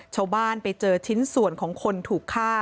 ชาวบ้านไปเจอชิ้นส่วนของคนถูกฆ่า